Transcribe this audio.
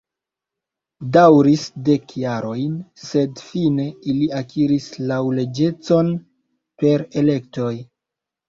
Daŭris dek jarojn, sed fine ili akiris laŭleĝecon per elektoj.